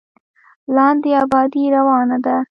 لاندې ابادي روانه ده.